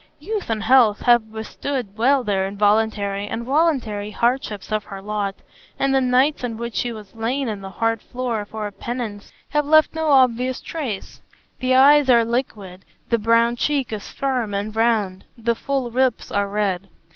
Youth and health have withstood well the involuntary and voluntary hardships of her lot, and the nights in which she has lain on the hard floor for a penance have left no obvious trace; the eyes are liquid, the brown cheek is firm and round, the full lips are red.